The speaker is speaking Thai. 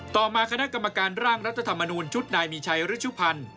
ต่อมาคณะกรรมการร่างรัฐธรรมนูญชุดนายมีชัยฤชุพันธ์